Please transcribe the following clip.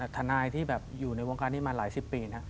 ทนายที่อยู่ในวงการนี้มาหลายสิบปีนะ